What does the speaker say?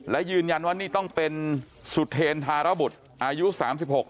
และยืนยันว่านี่ต้องเป็นสุเทรนธารบุตรอายุสามสิบหก